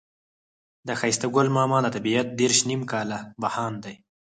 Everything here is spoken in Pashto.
د ښایسته ګل ماما دا طبيعت دېرش نيم کاله بهاند دی.